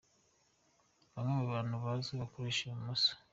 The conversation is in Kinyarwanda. Bamwe mu bantu bazwi bakoresha imoso.